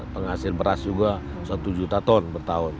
penghasil beras juga satu juta ton bertahun